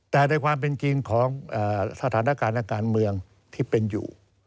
แต่ในความเป็นจริงของสถานการณ์ทางการเมืองที่เป็นอยู่